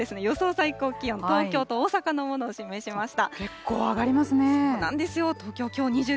最高気温、東京と大阪のものを示しました。